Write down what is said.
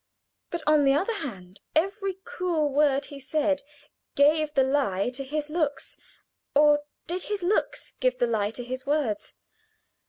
But, on the other hand, every cool word he said gave the lie to his looks or did his looks give the lie to his words?